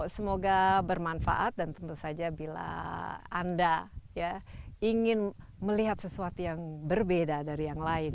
semoga bermanfaat dan tentu saja bila anda ingin melihat sesuatu yang berbeda dari yang lain